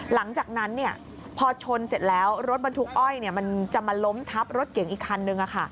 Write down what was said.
หลังจากนั้นพอชนเสร็จแล้วรถบรรทุกอ้อยมันจะมาล้มทับรถเก่งอีกคันนึง